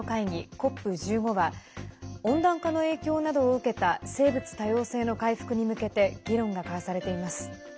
ＣＯＰ１５は温暖化の影響などを受けた生物多様性の回復に向けて議論が交わされています。